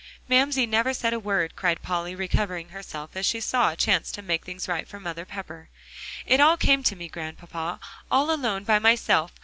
"Mamsie never said a word," cried Polly, recovering herself as she saw a chance to make things right for Mother Pepper; "it all came to me, Grandpapa, all alone by myself.